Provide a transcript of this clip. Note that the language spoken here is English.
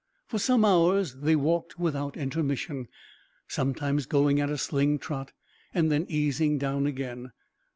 For some hours they walked without intermission, sometimes going at a sling trot, and then easing down again.